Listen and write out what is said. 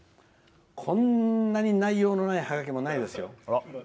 こんなに内容のないハガキもないですよ。